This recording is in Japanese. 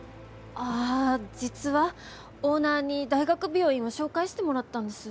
あ実はオーナーに大学病院を紹介してもらったんです。